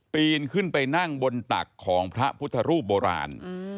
ปีนขึ้นไปนั่งบนตักของพระพุทธรูปโบราณ